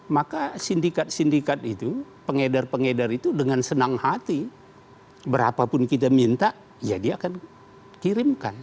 maka sindikat sindikat itu pengedar pengedar itu dengan senang hati berapapun kita minta ya dia akan kirimkan